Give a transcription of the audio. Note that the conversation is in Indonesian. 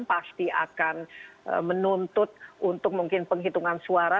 pasti akan menuntut untuk mungkin penghitungan suara